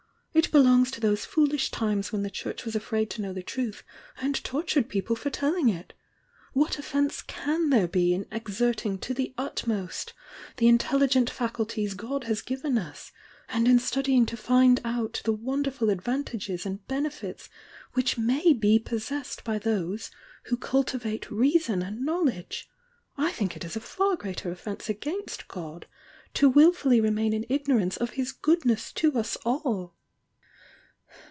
It belongs to those foolish times when the Church was afraid to know the truth and tortured peo ple for telling it! What offence ca; " are be in ex erting to the utmost, the intelligent xaculties God has given us, and in studying to find out the won derful advantages and benefits which may be pos sessed by those who cultivate reason and knowl edge ! I think it is a far greater offence against God, to wilfully remain in ignorance of His goodness to us all!"